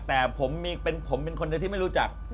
แต่ผมเป็นคนที่ไม่รู้จัก